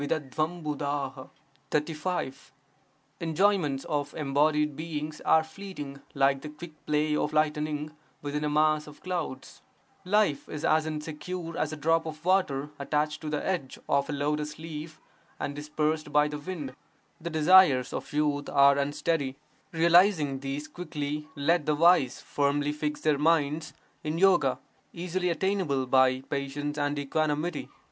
Enjoyments of embodied beings are fleeting like the quick play of lightning within a mass of clouds; life is as insecure as a drop of water attached to the edge of a lotus leaf and dispersed by the wind; the desires of youth are unsteady; realizing these quickly, let the wise firmly fix their minds in yoga, easily attainable by patience and equanimity.